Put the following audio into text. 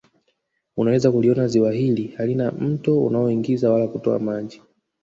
Unaweza kuliona Ziwa hili halina mto unaoingiza wala kutoa maji